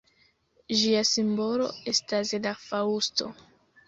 Ĝia simbolo estas la faŭsto.